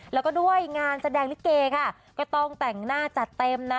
แล้วก็ด้วยงานแสดงลิเกค่ะก็ต้องแต่งหน้าจัดเต็มนะ